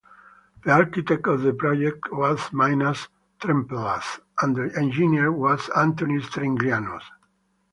The architect of the project was Minas Trempelas and the engineer was Antonis Triglianos.